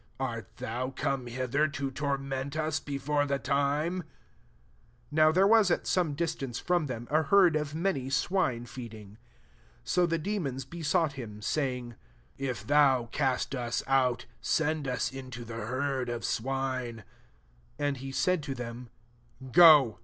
Art thou coma hither to torment us before the time ?" 30 Now there was at some distance from them a herd of many swine feeding, ^l Sm the demons besought him say? ing, ^< If thou cast us out, send us into the herd of swine." 3^ And he said to them, " Go.